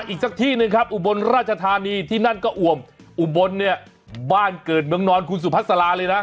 อีกสักที่หนึ่งครับอุบลราชธานีที่นั่นก็อวมอุบลเนี่ยบ้านเกิดเมืองนอนคุณสุภาษาลาเลยนะ